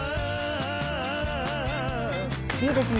いいですね